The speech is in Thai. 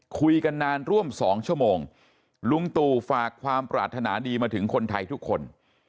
คุยกันนานร่วม๒ชั่วโมงลุงตู่ฝากความปรารถนาดีมาถึงคนไทยทุกคน